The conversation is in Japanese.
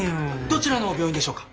どちらの病院でしょうか？